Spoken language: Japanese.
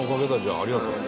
ありがとう。